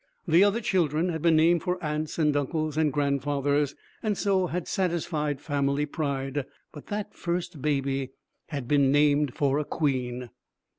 The other children had been named for aunts and uncles and grandfathers, and so had satisfied family pride. But that first baby had been named for a queen.